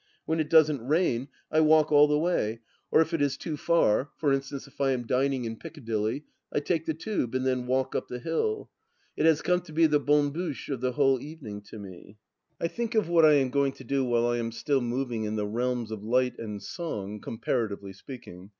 When it doesn't rain I walk 16 226 THE LAST DITCH all the way, or if it is too far — for instance, if I am dining in Piccadilly — I take the Tube, and then walk up the hill. It has come to be the honne houche of the whole evening to me. I think of what I am going to do while I am still moving in the realms of light and song (comparatively speaking).